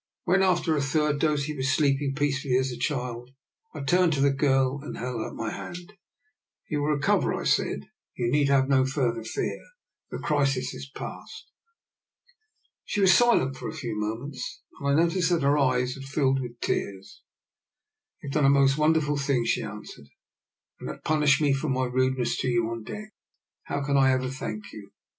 When, after a third dose, he was sleeping DIL NIKOLA'S EXPERIMENT, 95 peacefully as a little child, I turned to the girl and held out my hand. " He will recover," I said. " You need have no further fear. The crisis is past." She was silent for a few moments, and I noticed that her eyes had filled with tears. " You have done a most wonderful thing," she answered, " and have punished me for my rudeness to you on deck. How can I ever thank you?